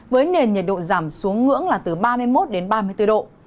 với nền nhiệt độ giảm xuống ngưỡng là từ ba mươi một đến ba mươi bốn độ